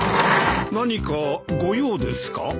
何かご用ですか？